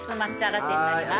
ラテになります。